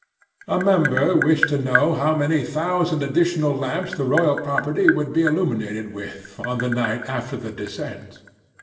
'A Member wished to know how many thousand additional lamps the royal property would be illuminated with, on the night after the descent.